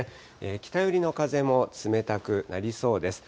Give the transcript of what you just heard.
北寄りの風も冷たくなりそうです。